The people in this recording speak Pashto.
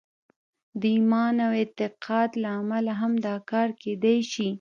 د ایمان او اعتقاد له امله هم دا کار کېدای شي